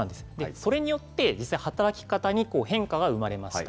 それによって、実際働き方に変化が生まれました。